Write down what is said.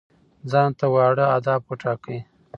ځان ته واړه اهداف وټاکئ.